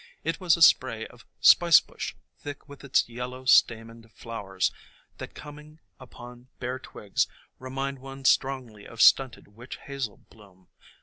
It was a spray of Spice Bush thick with its yellow stamened flowers, that, coming upon bare twigs, remind one strongly of stunted Witch Hazel bloom.